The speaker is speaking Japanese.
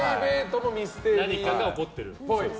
何か起こってると。